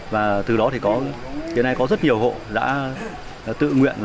và từ đó thì hiện nay có rất nhiều hộ đã tự nguyện